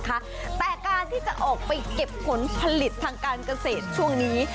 แต่การที่จะออกไปเก็บผลผลิตทางการเกษตรช่วงนี้